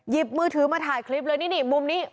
มือถือมาถ่ายคลิปเลยนี่มุมนี้